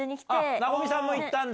和海さんも行ったんだ。